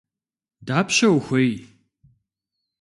Дапщэ ухуей?